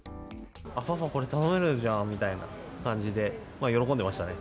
パパ、これ頼めるじゃんみたいな感じで、喜んでましたね。